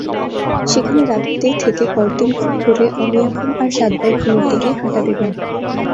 সেখানে রাতে থেকে পরদিন খুব ভোরে অমিয়াখুম আর সাতভাইখুমের দিকে হাঁটা দেবেন।